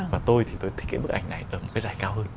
và tôi thì tôi thích cái bức ảnh này ở một cái giải cao hơn